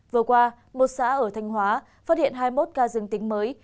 vừa qua một xã ở thanh hóa phát hiện hai mươi một ca dương tính mới